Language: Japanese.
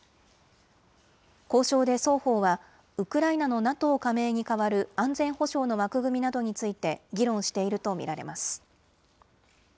交渉で双方はウクライナのＮＡＴＯ加盟に代わる安全保障の枠組みなどについて議論していると見られます。